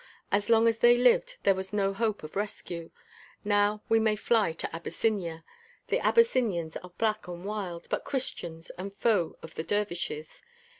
As long as they lived there was no hope of rescue. Now we may fly to Abyssinia. The Abyssinians are black and wild, but Christians and foes of the dervishes.